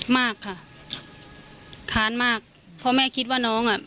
มากค่ะค้านมากเพราะแม่คิดว่าน้องอ่ะ